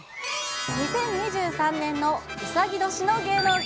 ２０２３年のうさぎ年の芸能界。